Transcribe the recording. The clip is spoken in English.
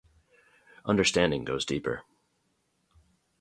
Understanding goes deeper.